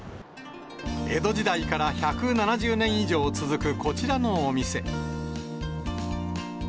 江戸時代から１７０年以上続くこちらのお店。